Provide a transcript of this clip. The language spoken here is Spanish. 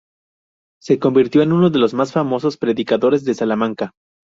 Se convirtió en uno de los más famosos predicadores de Salamanca.